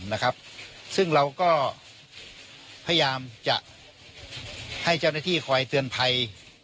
แล้วก็พยายามจะให้เจ้าหน้าที่คอยเตือนภัย